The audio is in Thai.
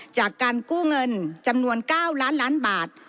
จากการกู้เงินจำนวน๙ล้านล้านบาท